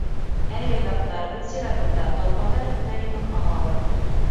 Ә Яйҙаҡтар, үҙ сиратында, талпандар өҫтөнә йомортҡа һалалар.